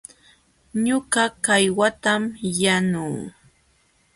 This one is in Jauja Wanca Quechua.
Ñuqa kaywatam yanuu.